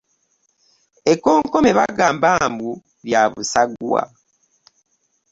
Ekkonkome bagamba mbu lya busagwa.